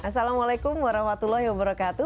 assalamualaikum warahmatullahi wabarakatuh